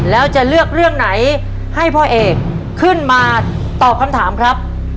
แล้วจะเลือกเรื่องไหนให้พ่อเอกขึ้นมาตอบคำถามครับ